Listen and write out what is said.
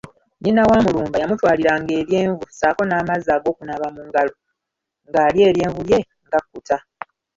Nnyina wa Mulumba yamutwalinga eryenvu saaako n’amazzi ag’okunaaba mu ngalo ng’alya eryenvu lye ng’akkuta.